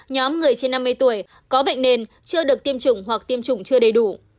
nhóm người trên năm mươi tuổi có bệnh nền chưa được tiêm chủng hoặc tiêm chủng chưa đầy đủ